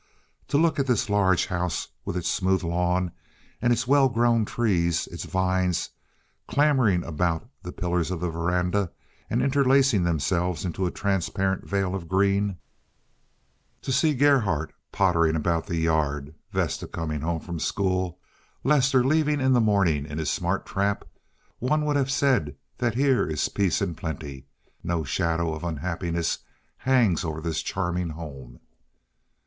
To look at this large house, with its smooth lawn and well grown trees, its vines clambering about the pillars of the veranda and interlacing themselves into a transparent veil of green; to see Gerhardt pottering about the yard, Vesta coming home from school, Lester leaving in the morning in his smart trap—one would have said that here is peace and plenty, no shadow of unhappiness hangs over this charming home.